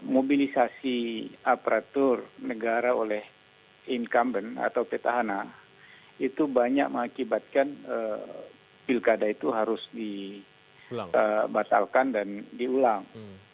mobilisasi aparatur negara oleh incumbent atau petahana itu banyak mengakibatkan pilkada itu harus dibatalkan dan diulang